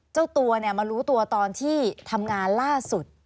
เจ้าตัวมารู้ตัวตอนที่ทำงานล่าสุด